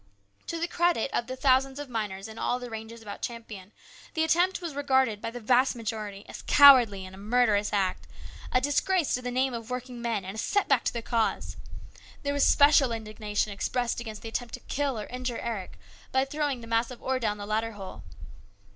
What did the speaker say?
To the credit of the thousands of miners in all the ranges about Champion, the attempt was regarded by the vast majority as a cowardly and murderous act, a disgrace to the name of working men and a setback to the cause. There was special indignation expressed against the attempt to kill or injure Eric by throwing the mass of ore down the ladder hole.